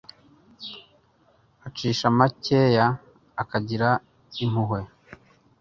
acisha makeya akagira impuhwe